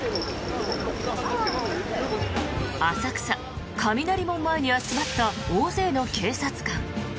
浅草・雷門前に集まった大勢の警察官。